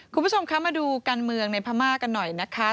คุณผู้ชมคะมาดูการเมืองในพม่ากันหน่อยนะคะ